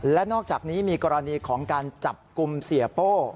และนอกจากนี้มีกรณีของการจับกลุ่มเสียโป้